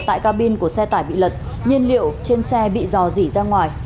tại cabin của xe tải bị lật nhiên liệu trên xe bị dò dỉ ra ngoài